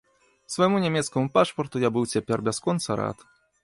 Свайму нямецкаму пашпарту я быў цяпер бясконца рад.